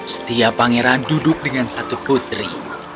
setiap pangeran duduk dengan satu putri